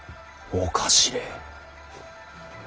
おかしれぇ？